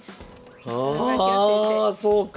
ああそうか！